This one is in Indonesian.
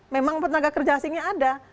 memang tenaga kerja asingnya ada